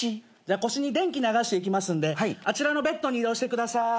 腰に電気流していきますんであちらのベッドに移動してください。